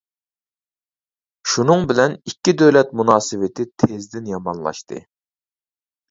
شۇنىڭ بىلەن ئىككى دۆلەت مۇناسىۋىتى تېزدىن يامانلاشتى.